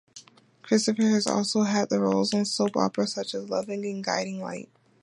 Christopher has also had roles on soap operas such as "Loving" and "Guiding Light".